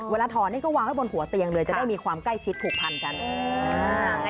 ถอดนี่ก็วางไว้บนหัวเตียงเลยจะได้มีความใกล้ชิดผูกพันกัน